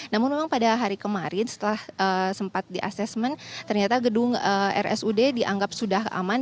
namun memang pada hari kemarin setelah sempat di assessment ternyata gedung rsud dianggap sudah aman